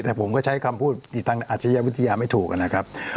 แต่ผมก็ใช้คำพูดอีกทางอาชญาวิทยาไม่ถูกนะครับ